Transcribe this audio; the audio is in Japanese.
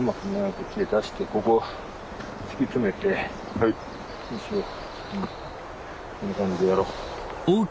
こっちで出してここ敷き詰めて石をそういう感じでやろう。